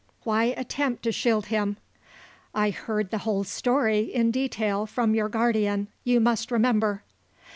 Why attempt to shield him? I heard the whole story, in detail, from your guardian, you must remember."